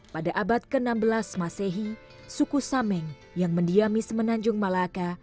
pada abad ke enam belas masehi suku sameng yang mendiami semenanjung malaka